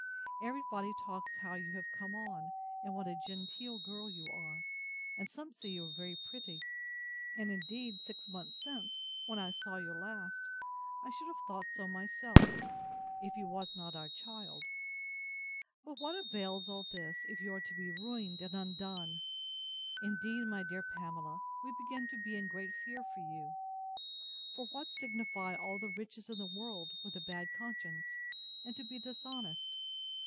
Every body talks how you have come on, and what a genteel girl you are; and some say you are very pretty; and, indeed, six months since, when I saw you last, I should have thought so myself, if you was not our child. But what avails all this, if you are to be ruined and undone!—Indeed, my dear Pamela, we begin to be in great fear for you; for what signify all the riches in the world, with a bad conscience, and to be dishonest!